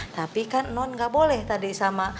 tapi kan non gak boleh tadi sama